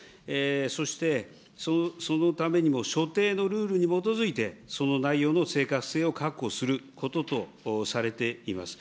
そしてそのためにも所定のルールに基づいて、その内容の正確性を確保することとされています。